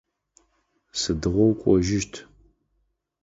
Сыдыгъо укӏожьыщт?